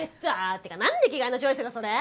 ってかなんで着替えのチョイスがそれ？